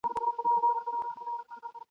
تور ببر- ببر برېتونه ..